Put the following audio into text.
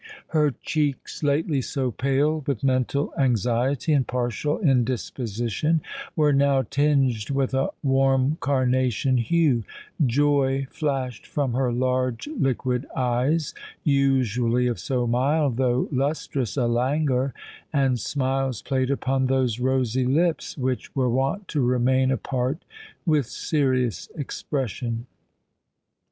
Her cheeks—lately so pale with mental anxiety and partial indisposition—were now tinged with a warm carnation hue:—joy flashed from her large liquid eyes, usually of so mild though lustrous a languor;—and smiles played upon those rosy lips which were wont to remain apart with serious expression.